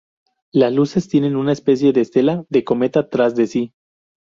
Las luces tienen una especie de estela de cometa tras de sí.